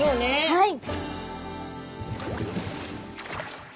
はい。